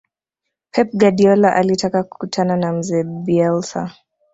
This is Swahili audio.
pep guardiola alitaka kukutana na mzee bielsa